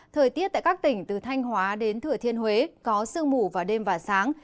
thời tiết tại các tỉnh từ thanh hóa đến thừa thiên huế có sương mù vào đêm và sáng